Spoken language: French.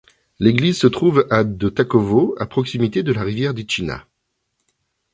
L'église se trouve à de Takovo, à proximité de la rivière Dičina.